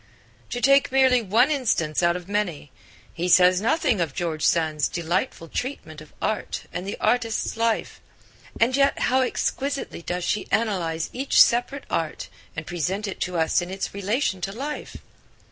To take merely one instance out of many, he says nothing of George Sand's delightful treatment of art and the artist's life. And yet how exquisitely does she analyse each separate art and present it to us in its relation to life!